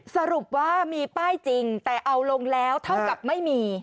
สรุปว่ามีป้ายจริงแต่เอาลงแล้วเท่ากับไม่มี